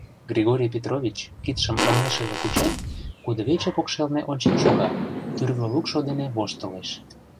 Григорий Петрович, кидшым оҥешыже кучен, кудывече покшелне ончен шога, тӱрвӧ лукшо дене воштылеш.